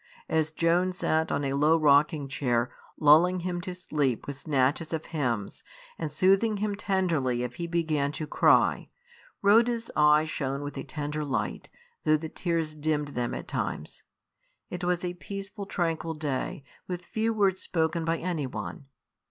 As Joan sat on a low rocking chair, lulling him to sleep with snatches of hymns, and soothing him tenderly if he began to cry, Rhoda's eyes shone with a tender light, though the tears dimmed them at times. It was a peaceful, tranquil day, with few words spoken by anyone.